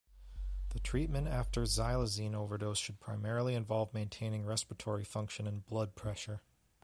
The treatment after xylazine overdose should primarily involve maintaining respiratory function and blood pressure.